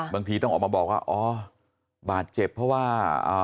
บางทีต้องออกมาบอกว่าอ๋อบาดเจ็บเพราะว่าอ่า